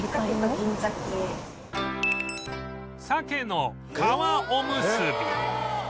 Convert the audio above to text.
鮭の皮おむすび